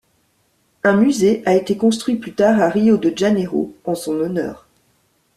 Un musée a été construit plus tard à Rio de Janeiro, en son honneur.